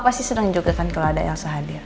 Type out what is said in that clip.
apa sih sedang juga kan kalau ada yang sehari hari